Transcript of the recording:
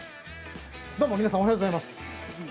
どうも皆さんおはようございます。